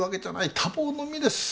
多忙の身です。